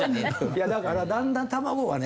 いやだからだんだん卵がね